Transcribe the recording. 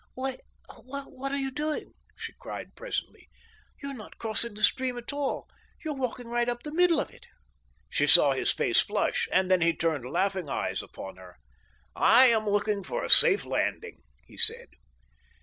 "Why, what are you doing?" she cried presently. "You are not crossing the stream at all. You are walking right up the middle of it!" She saw his face flush, and then he turned laughing eyes upon her. "I am looking for a safe landing," he said.